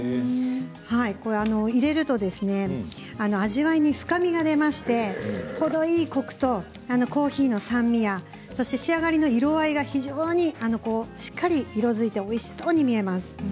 これは入れると味わいに深みが出まして程よいコクとコーヒーの酸味やそして仕上がりの色合いが非常にしっかりと色づいておいしそうに見えます。